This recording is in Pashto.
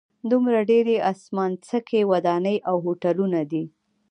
دومره ډېرې اسمانڅکي ودانۍ او هوټلونه دي.